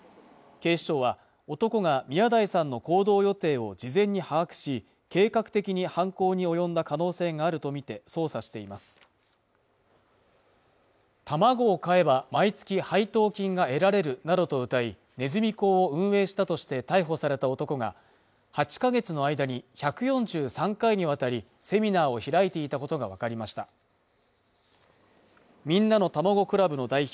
警視庁は男が宮台さんの行動予定を事前に把握し計画的に犯行に及んだ可能性があるとみて捜査しています卵を買えば毎月配当金が得られるなどとうたいねずみ講を運営したとして逮捕された男が８か月の間に１４３回にわたりセミナーを開いていたことが分かりましたみんなのたまご倶楽部の代表